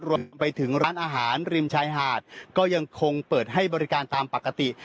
รวมไปถึงร้านอาหารริมชายหาดก็ยังคงเปิดให้บริการตามปกติ